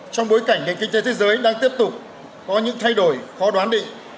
trong bối cảnh nền kinh tế thế giới đang tiếp tục có những thay đổi khó đoán định